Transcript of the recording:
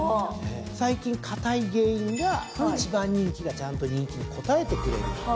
最近堅い原因が１番人気がちゃんと人気に応えてくれる。